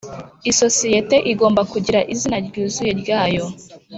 Isosiyete igomba kugira izina ryuzuye ryayo